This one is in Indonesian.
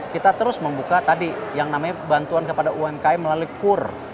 kita terus membuka tadi yang namanya bantuan kepada umkm melalui kur